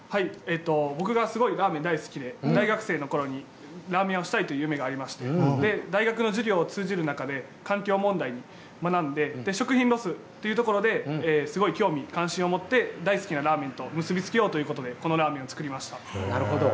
僕がものすごくラーメンが大好きで、大学生のときにラーメン屋をしたいという夢がありまして、大学の授業を通じる中で、環境問題を学んで、食品ロスというところですごい興味、関心を持って、大好きなラーメンと結び付けようということで、このラーメンを作なるほど。